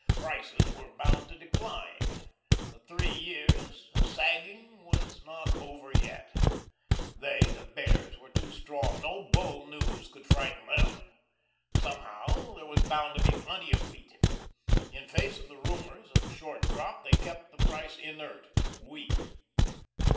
Prices were bound to decline, the three years, sagging was not over yet. They, the Bears, were too strong; no Bull news could frighten them. Somehow there was bound to be plenty of wheat. In face of the rumours of a short crop they kept the price inert, weak.